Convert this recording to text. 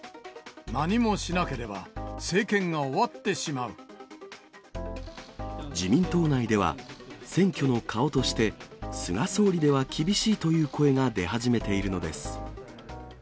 何もしなければ、政権が終わって自民党内では、選挙の顔として菅総理では厳しいという声が出始めているのです。